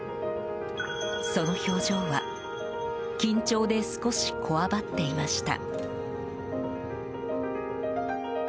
その表情は緊張で少しこわばっていました。